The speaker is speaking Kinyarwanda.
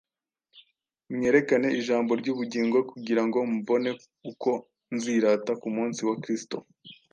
mwerekana ijambo ry’ubugingo; kugira ngo mbone uko nzirata ku munsi wa Kristo,